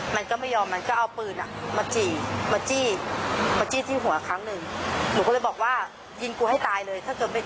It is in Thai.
มันก็ไม่ยอมมันก็อ้าวฟื้นมันจี่มาจี้ในหัวครั้งหนึ่ง